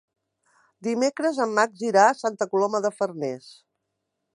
Dimecres en Max irà a Santa Coloma de Farners.